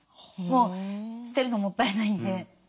もう捨てるのもったいないんで。